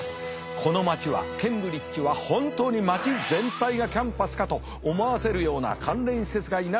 この街はケンブリッジは本当に街全体がキャンパスかと思わせるような関連施設が居並んでひしめいております。